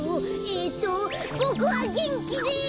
えっとボクはげんきです！